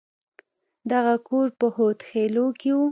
دغه کور په هود خيلو کښې و.